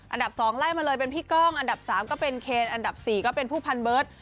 อันดับ๒ไล่มาเลยเป็นพี่ก้องอันดับ๓ก็เป็นเคนอันดับ๔ก็เป็นผู้พันเบิร์ต